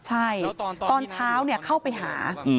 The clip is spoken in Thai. ใช่ตอนเช้าเข้าไปหา